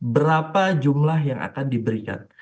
berapa jumlah yang akan diberikan